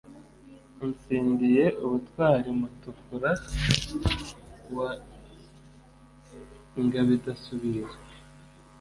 utsindiye ubutwari mutukura wa ngabidasubira,